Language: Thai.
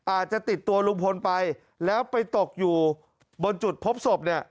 อาจจะติดตัวลุงพลไปแล้วไปตกอยู่บนจุดพบศพเนี่ย